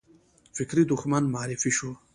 فکري دښمن معرفي شو